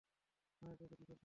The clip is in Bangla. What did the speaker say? মায়ের কাছে কিসের শরম?